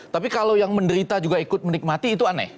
tapi kalau yang menderita juga ikut menikmati itu aneh